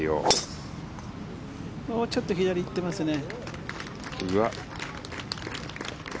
ちょっと左行ってますね。